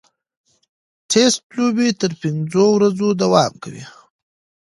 ټېسټ لوبې تر پنځو ورځو دوام کوي.